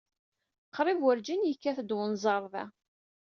Qrib werjin yekkat-d wenẓar da.